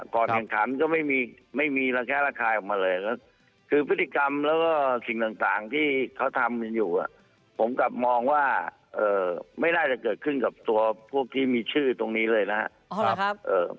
ก่อนแข่งขันก็ไม่มีไม่มีระแคะระคายออกมาเลยก็คือพฤติกรรมแล้วก็สิ่งต่างที่เขาทำกันอยู่ผมกลับมองว่าไม่น่าจะเกิดขึ้นกับตัวพวกที่มีชื่อตรงนี้เลยนะครับ